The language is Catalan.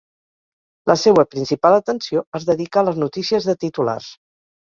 La seua principal atenció es dedica a les notícies de titulars.